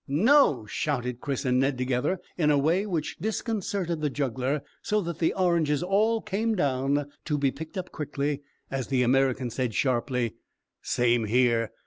"No!" shouted Chris and Ned together, in a way which disconcerted the juggler so that the oranges all came down, to be picked up quickly, as the American said sharply "Same here.